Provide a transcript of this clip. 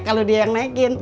kalau dia yang naikin